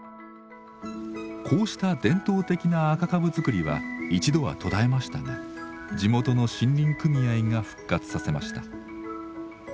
こうした伝統的な赤かぶ作りは一度は途絶えましたが地元の森林組合が復活させました。